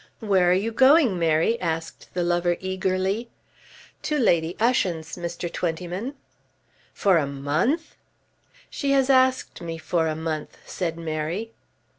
"Where are you going, Mary?" asked the lover eagerly. "To Lady Ushant's, Mr. Twentyman." "For a month!" "She has asked me for a month," said Mary.